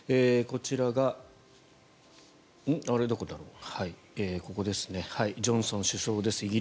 こちら、ジョンソン首相です。